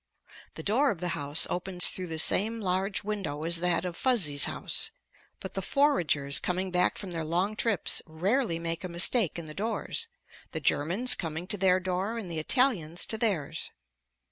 The door of the house opens through the same large window as that of Fuzzy's house, but the foragers coming back from their long trips rarely make a mistake in the doors, the Germans coming to their door and the Italians to theirs.